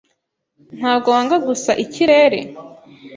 Ntabwo wanga gusa ikirere?